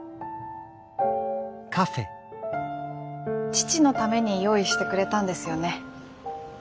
父のために用意してくれたんですよね。